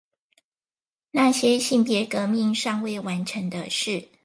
那些性別革命尚未完成的事